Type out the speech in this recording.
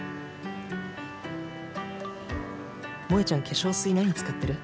「萌ちゃん化粧水何使ってる？」。